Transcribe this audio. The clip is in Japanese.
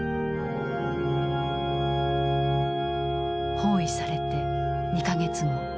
包囲されて２か月後。